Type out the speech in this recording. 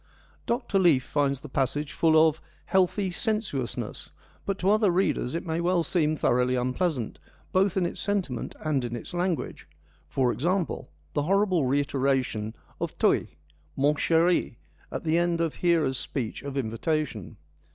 Dr. Leaf finds the passage full of ' healthy sen suousness,' but to other readers it may well seem thoroughly unpleasant, both in its sentiment and its language — for example, the horrible reiteration of toi, ' mon cheri/ at the end of Hera's speech of invitation.